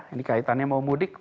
ini kaitannya mau mudik